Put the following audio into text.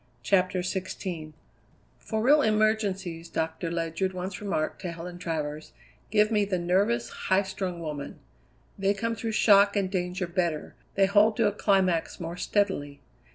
CHAPTER XVI "For real emergencies," Doctor Ledyard once remarked to Helen Travers, "give me the nervous, high strung women. They come through shock and danger better, they hold to a climax more steadily.